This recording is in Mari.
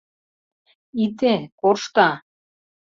Ите, коршта...